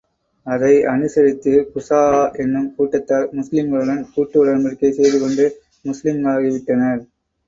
அதை அனுசரித்து குஸாஅ என்னும் கூட்டத்தார், முஸ்லிம்களுடன் கூட்டு உடன்படிக்கை செய்து கொண்டு, முஸ்லிம்களாகி விட்டனர்.